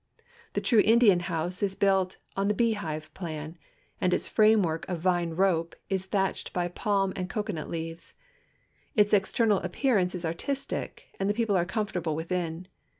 ' The true Indiaii house is built on the bee hive ])lan, and its framework of vine rope is thatched l)y palm and cocoanut leaves. Its external appearance is artistic, and the people are comfortable within.